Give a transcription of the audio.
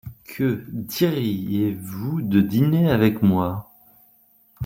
Que diriez-vous de dîner avec moi ?